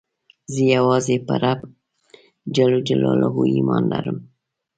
زه یوازي په رب ﷻ ایمان لرم.